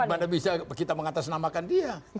mana bisa kita mengatasnamakan dia